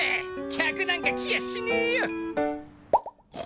客なんか来やしねえよ！